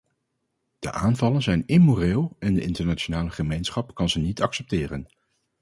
De aanvallen zijn immoreel en de internationale gemeenschap kan ze niet accepteren.